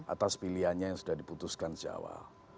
atas pilihannya yang sudah diputuskan sejak awal